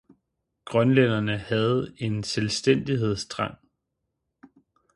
Grønlænderne havde en selvstændighedstrang.